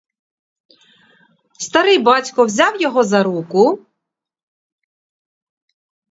Старий батько взяв його за руку.